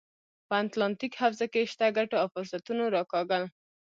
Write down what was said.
په اتلانتیک حوزه کې شته ګټو او فرصتونو راکاږل.